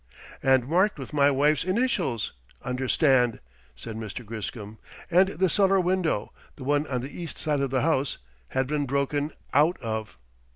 "And marked with my wife's initials understand!" said Mr. Griscom. "And the cellar window the one on the east side of the house had been broken out of."